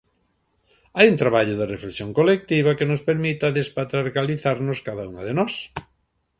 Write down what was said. Hai un traballo de reflexión colectiva que nos permita despatriarcalizarnos, cada unha de nós.